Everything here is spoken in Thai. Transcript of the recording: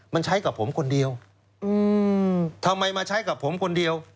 มันใช้กับผมคนเดียวทำไมมาใช้กับผมคนเดียว